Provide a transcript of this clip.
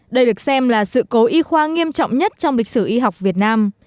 đây được xem là sự cố y khoa nghiêm trọng nhất trong lịch sử y học việt nam